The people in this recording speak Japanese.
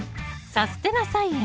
「さすてな菜園」